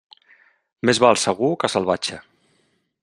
Més val segur que salvatge.